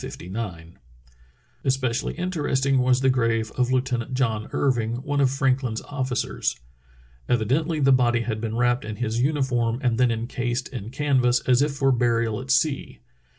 Especially interesting was the grave of Lieutenant John Irving, one of Franklin's officers. Evidently the body had been wrapped in his uniform and then encased in canvas as if for burial at sea.